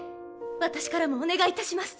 私からもお願いいたします。